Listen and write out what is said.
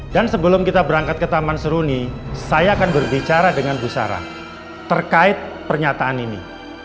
dan sebelum kita berangkat ke taman seruni saya akan berbicara dengan bu sarah terkait pernyataan ini